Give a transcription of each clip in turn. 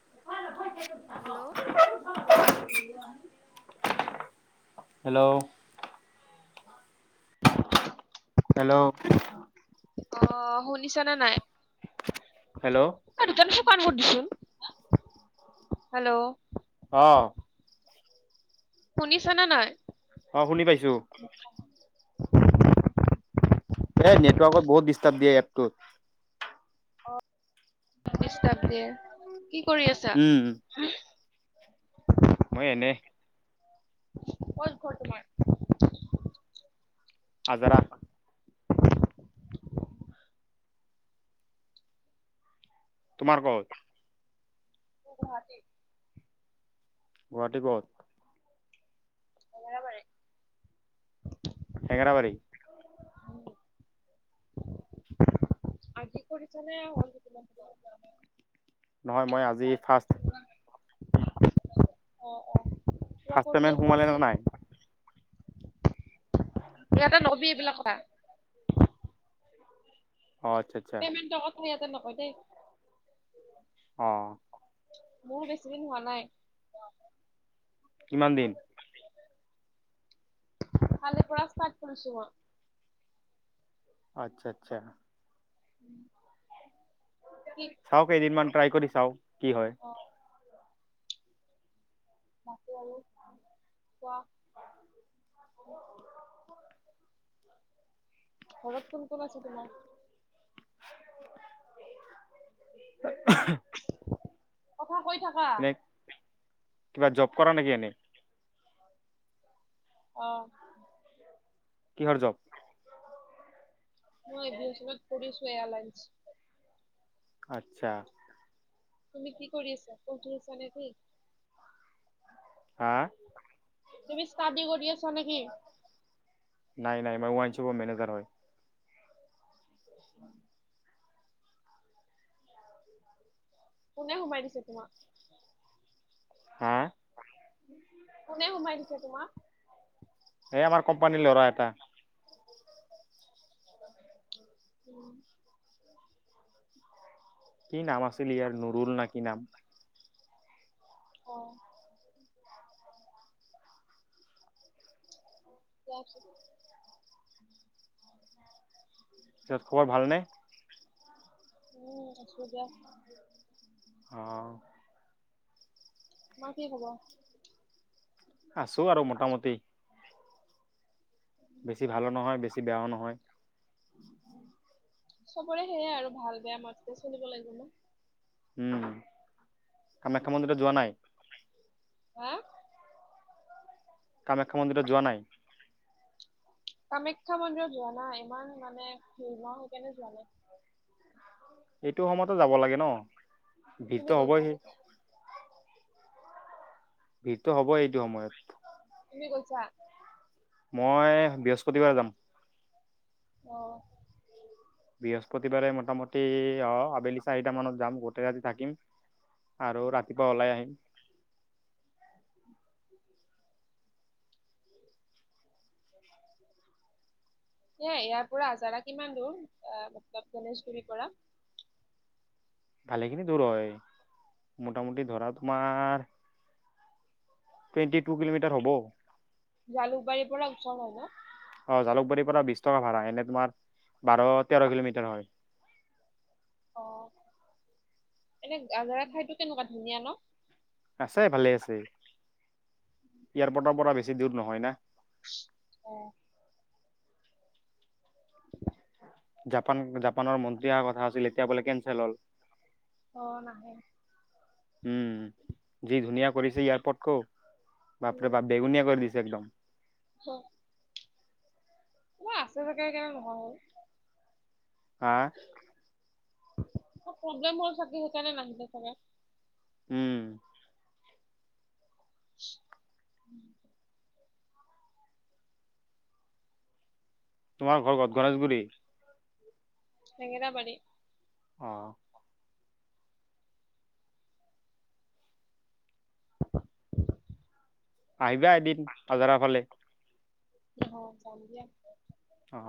[unintelligible] Hello? Hello? Hello? অহ শুনিছ নে নাই? হেল্ল'? [unintelligible] হেল্ল'? অহ। শুনিছ নে নাই? অহ শুনি পাইছোঁ। এই নেটৱৰ্কত বহুত ডিষ্টাৰ্ব দিয়ে এয়াত টোৰ। দিছটাপ দিয়ে। কি কৰি আছা? উম হ [inaudible] মই এনেই। কত ঘৰ তোমাৰ? আজাৰা। তোমাৰ ক'ত? গুৱাহাটী। গুৱাহাটী কত? শেঙেৰাবাৰি। হেংৰাবাৰী? উম। আজি কৰিছ নে? [unintelligible] নহয় মই আজি ফাৰ্ষ্ট। ফাৰ্ষ্ট পেমেণ্ট সোমালে নে নাই? ইয়াতে নকবি এইবিলাক কথা। অহ, আচ্ছা-আচ্ছা। এনে ইয়াতে নকয় দে। অহ। মোৰো বেছি দিন হোৱা নাই। কিমান দিন? কালি পৰা ষ্টাৰ্ত কৰিছোঁ মই। আচ্ছা-আচ্ছা। উম। চাও কেইদিনমান ট্ৰাই কৰি চাও, কি হয়। [inaudible] [unintelligible] ঘৰত কোন কোন আছে তোমাৰ? [inaudible] [unintelligible] এনেই কিবা জব কৰা নেকি এনেই? অঁ। কিহৰ জব। মই দুই চনত কৰিছো এয়াৰলাইনচ। আচ্ছা। তুমি কি কৰি আছা পঢ়ি আছা নেকি? হা। তুমি ষ্টাডি কৰি আছ নেকি? নাই নাই, মই ওৱান চপৰ মেনেজাৰ হয়। [unintelligible] কোনে সোমাই দিছে তোমাক। হা। কোনে সোমাই দিছে তোমাক। এই আমাৰ কোম্পানীৰ ল'ৰা এটা। উম। কি নাম আছিল ইয়াৰ নৰুল না কি নাম। অঁ। তছ [unintelligible] পিছত খবৰ ভালনে? উম আছো দিয়া। অহ। তোমাৰ কি খবৰ? আছো আৰু মোটামুটি। বেছি ভালো নহয় বেছি বেয়াও নহয়। চবৰে সেয়াই আৰু ভাল বেয়া মাজতে চলিব লাগিব ন। উম, কামাখ্যা মন্দিৰত যোৱা নাই। হা। কামাখ্যা মন্দিৰত যোৱা নাই। কামাখ্যা মন্দিৰত যোৱা নাই, ইমান মানে ভিৰ নহ সেইকাৰণে যোৱা নাই। এইটো সময়ত। যাব লাগে ন ভিৰত হবই। ভিৰটো হ'ব এইটো সময়ত। মই বৃহস্পতিবাৰে যাম। আহ। বৃহস্পতিবাৰে মোটামুটি, আহ আবেলি চাৰিটা মানত যাম। গোটেই ৰাতি থাকিম আৰু ৰাতিপুৱা ওলাই আহিম। এ, ইয়াৰ পৰা আজাৰা কিমান দূৰ? গনেশগুৰিৰ পৰা। ভালেখিনি দূৰ হয়, মোটামুটি ধৰা তোমাৰ। টুৱেণ্টি টু কিলোমিটাৰ হ'ব। অঁ জালুকবাৰীৰ পৰা বিশ টকা ভাড়া। তোমাৰ বাৰ তেৰ কিলোমিটাৰ হয়। অহ। তুমি আজৰা খাই পাইছা? ধূনীয়া ন? আছে ভালে আছে। এয়াৰপৰ্টৰ পৰা বেছি দূৰ নহয় না। জাপান, জাপানৰ মন্ত্ৰী অহাৰ কথা আছিল এতিয়া বোলে কেনচেল হ'ল। উম, যি ধুনীয়া কৰিছে এয়াৰপৰ্টতোক বাপৰে বাপ বেগুনীয়া কৰি দিছে একদম। কা আছে [unintelligible] নহয় হা? প্ৰব্লেম হল থাকি সেইকাৰণে নাহিলে চাগে। উম। [inaudible] তোমাৰ ঘৰ ক'ত গনেশগুৰি? হেঙেৰাবাৰি অহ। [inaudible] আহিবা এদিন হাজাৰা ফালে। অ যাম দিয়া অ।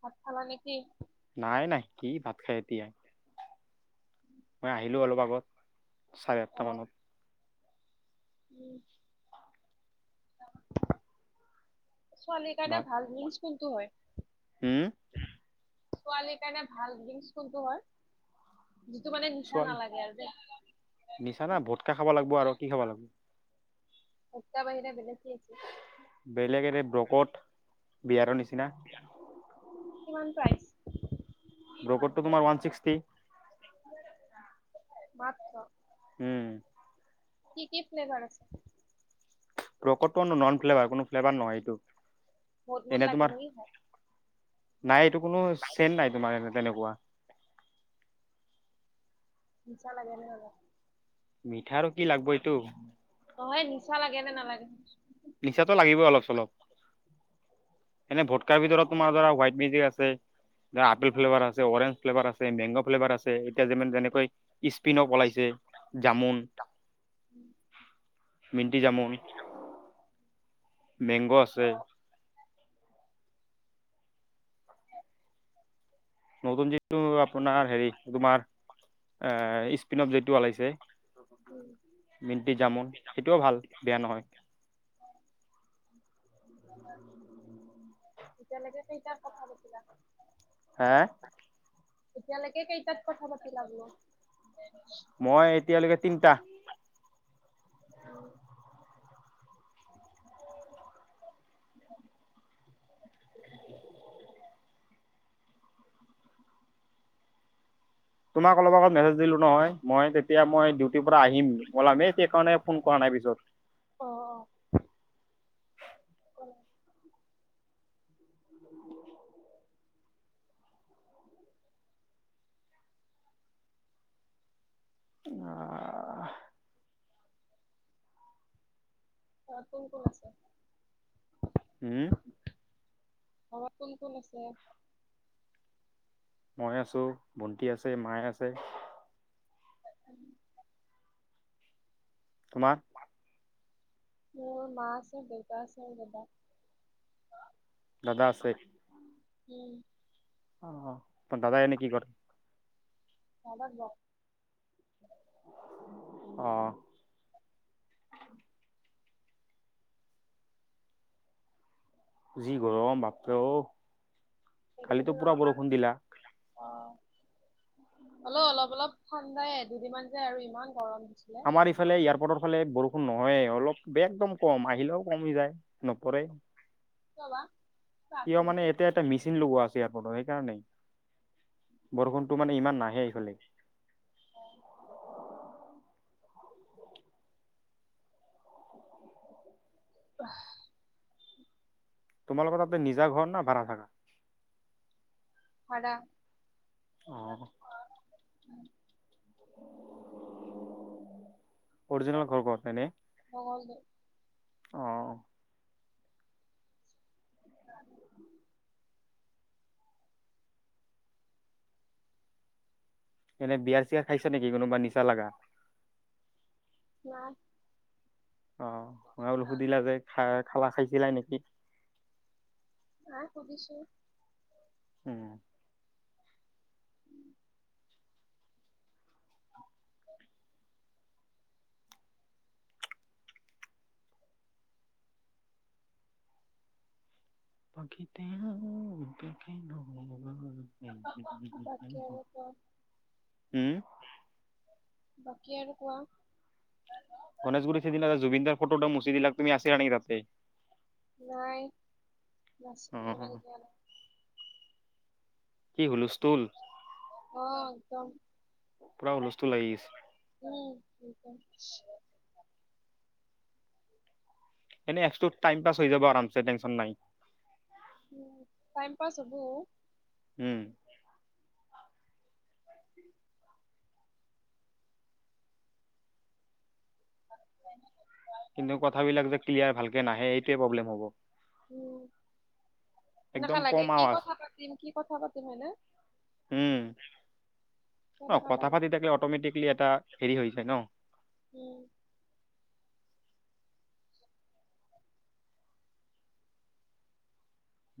ভাত খালা নেকি? নাই নাই কি ভাত খাই এতিয়াই। মই আহিলোঁ অলপ আগত, চাৰে আঠটা মানত। উম। [inaudible] ছোৱালীৰ কাৰণে ভাল [unintelligible] সেইটো হয়। হম? ছোৱালীৰ কাৰণে ভাল ড্ৰিংকচ কোনটো হয়? ছোৱালি নিচানা ভটকা খাব লাগিব আৰু। কি খাব লাগিব? এইদুটা বাহিৰে বেলেগ? বিয়াৰ নিচিনা কিমান প্ৰাইজ? ব্ৰকটটো তোমাৰ ওৱান ছিক্সটি [inaudible] [unintelligible] উম। কি কি ফ্লেভাৰ আছে? ৰ'কটটোনো নন ফ্লেভাৰ কোনো ফ্লেভাৰ নহয় এইটো। এনে তোমাৰ নাই এইটো কোনো চেণ নাই তোমাৰ এনে তেনেকুৱা। নিচা লাগে নে নালাগে? [inaudible] মিঠা আৰু কি লাগিব এইটো। নিচাটো লাগিবই অলপ চলপ, এনে ভোটকাৰ ভিতৰত তোমাৰ ধৰা হোৱাট মেজিক আছে। যে এপেল ফ্লেভাৰছে অৰেঞ্ ফ্লেভাৰ আছে। মঙ্গো ফ্লেভাৰ আছে এতিয়া যে যেনেকৈ স্পিছে পিনেপলাইছে জাপা মিনটি জামন মেংগ' আছে নতুন যিটো আপোনাৰ হেৰি তোমাৰ এ স্পিনত মিণ্টি জামুন সেইটোও ভাল বেয়া নহয় তেতিয়া লৈকে এতিয়া কথা পতিলা হে এতিয়ালৈকে কেইটাত কথা পাতি বোলো মই এতিয়ালৈকে তিনটা উম তোমাক অলপ আগত মেছেজ দিলো নহয় মই তেতিয়া মই ডিউটিৰ পৰা আহিম মই সেই কাৰণে ফোন কৰা নাই পিছত অ অ [unintelligible] আহ অ কোন কোন আছে উম হ কোন কোন আছে মই আছো ভণ্টি আছে মায়ে আছে উম [unintelligible] তোমাৰ মোৰ মা আছে দেউতা আছে দাদা দাদা আছে উম অ দাদাই এনে কি কৰে চাইদত বহ অ [unintelligible] যি গৰম বাপৰে অ সেই কালিতো পুৰা বৰষুণ [unintelligible] দিলা অ হলোও অলপ অলপ ঠাণ্ডাই দুদিনমান যে আৰু ইমান আমাৰ ইফালে এয়াৰপৰ্টৰ ফালে বৰষুণ ন হয় অলপ বে একদম কম আহিলেও কমি যায় নপৰে কিয় মানে এতিয়া এটা মেচিন লগোৱা আছে এয়াৰপটৰ্ত সেইকাৰণেই বৰষুণতটো মানে ইমান নাহে এইফালে অহ [unintelligible] তোমালোকৰ তাতে নিজা ঘৰ না ভাড়া থাকা ভাড়া অহ অৰিজিনেল ঘৰ কত এনে অ এনে বিয়াৰ চিয়া খাইছা নেকি কোনোবা নিচা লাগা না অ মই বোলো সুধিলা যে খা খালা খাইছিলা নেকি আহ শুধিছো উম পাখিতেও পাখি লো উম [unintelligible] বাকী আৰু কোৱা গণেশগুৰিত সেইদিনা জুবিনদাৰ ফটো এটা মুছি দিলাগ তুমি আছিলা নেকি তাতে [unintelligible] কি হুলস্থুল অ একদম পুৰা হুলস্থুল লাগি গৈছে উম এনে এক্সটোত টাইম পাছ হৈ যাব আৰাম চে টেনচন নাই উ টাইম পাছ হব উম কিন্তু কথাবিলাক যে ক্লিয়াৰ ভালকে নাহে এইটোৱে প্ৰব্লেম হ'ব এনেকা একদম লাগে কম কি আৱাজ কথা পাতিম কি কথা পাতিম হয় না অ কথা পাতি থাকিলে অট'মেটিক লি এটা হেৰি হৈ যায় ন উম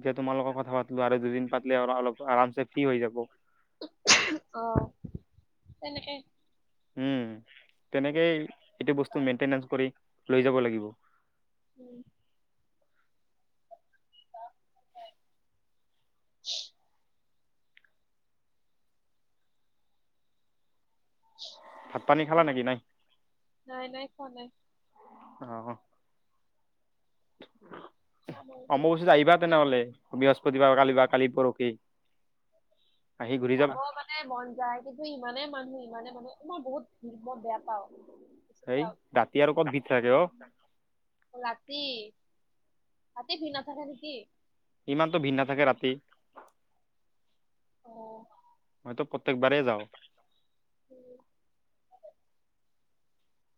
যে তোমালকৰ কথা পাতলো আৰু দুদিন পা অলপ আৰামছে ফ্ৰী হৈ যাব অ তেনেকে উম তেনেকেই এইটো বস্তু মেইনটেনেঞ্চ কৰি লৈ যাব লাগিব উম ভাত পানী খালা নেকি নাই খোৱা নাই অহ অম্বুবাচীত আহিবা তেনেহ'লে বৃহস্পতিবাৰ কালি বা কালি পৰখি যাব মানে মন যায় কিন্তু ইমানেই মানুহ ইমানে মানুহ মই বহুত ব বেয়া পাও। এই ৰাতি আৰু কত ভিত থাকে অ। তাতে বিনা থাকে নেকি? ইমানটো ভিৰ নাথাকে ৰাতি। [unintelligible] অ। মইতো প্ৰত্যেকবাৰেই যাও।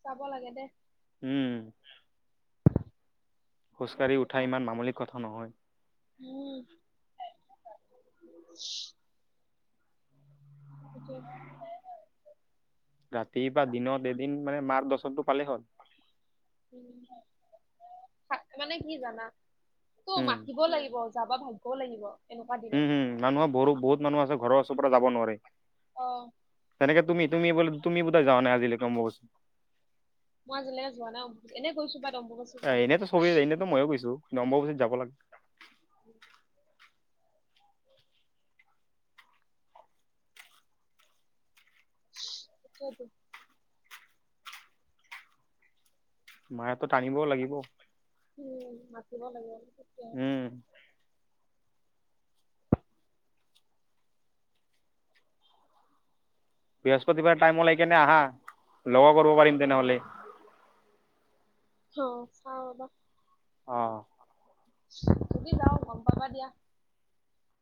চাব লাগে দেই। উম। খোজকাঢ়ি উঠা ইমান মামলিক কথা নহয়। [unintelligible] [inaudible] [unintelligible] ৰাতি বা দিনত এদিন মানে মাৰ দছৰটো পালেই হ'ল। মানে কি জানা? ত মাতিব লাগিব। যাবা ভালকও লাগিব। উম উম মানুহৰ ব বহুত মানুহ আছে ঘৰৰ চ পৰা যাব নোৱাৰে। তেনেকে তুমি তুমি বোলে তুমি বোধাই যাৱা নাই আজিলৈকে মো মই আজিলৈকে যোৱা নাই অম এনে গৈছো বাট অম্বুবাচি এ যোৱা নাই। এনেতো চবেই এনেতো ময়ো গৈছো। অম্বুবাচীত যাব লাগে। এিকয়াদ [unintelligible] মাই টানিব লাগিব। দিব লাগে উম। বৃহস্পতিবাৰ টাইম ওলাই কিনে আহা। লগ কৰিব পাৰিম তেনেহলে। অ চাওঁ ৰবা। অ। যদি যাওঁ গম পাবা দিয়া।